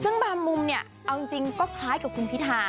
ซึ่งบางมุมเนี่ยเอาจริงก็คล้ายกับคุณพิธา